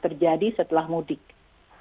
terjadi setelah budik